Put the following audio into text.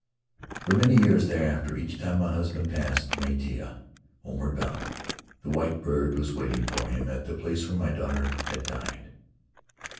For many years thereafter, each time my husband passed Maitea homeward bound, the white bird was waiting for him at the place where my daughter had died.